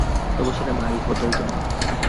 তবু সেটা বাড়ি, হোটেল তো নয়।